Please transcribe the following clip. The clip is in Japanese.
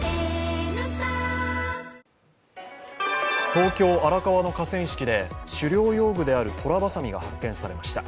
東京・荒川の河川敷で、狩猟用具であるトラバサミが発見されました。